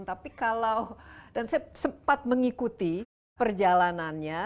tapi kalau dan saya sempat mengikuti perjalanannya